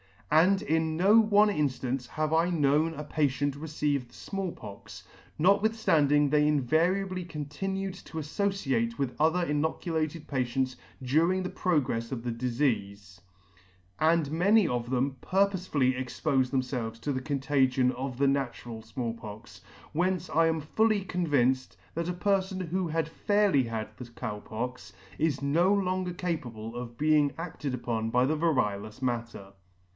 J. Handing [ 126 ] {landing they invariably continued to affociate with other inocu lated patients during the progrefs of the difeafe, and many of them purpofely expofed themfelves to the contagion of the natural Small Pox ; whence I am fully convinced, that a perfon who had fairly had the Cow Pox, is no longer capable of being adted upon by the variolous matter.